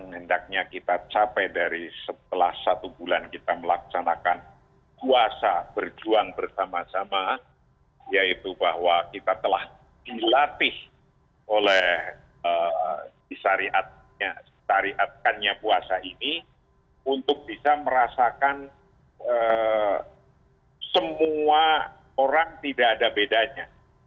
tindaknya kita sampai dari setelah satu bulan kita melaksanakan puasa berjuang bersama sama yaitu bahwa kita telah dilatih oleh disariatkannya puasa ini untuk bisa merasakan semua orang tidak ada bedanya